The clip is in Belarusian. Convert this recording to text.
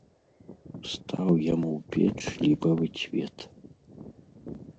Стаў яму ў печ ліпавы цвет.